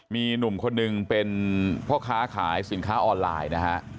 มีหนุ่มคนหนึ่งเป็นพ่อค้าขายสินค้าออนไลน์นะฮะ